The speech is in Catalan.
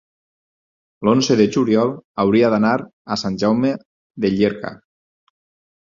l'onze de juliol hauria d'anar a Sant Jaume de Llierca.